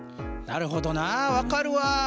なるほどな分かるわ。